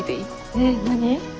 えっ何？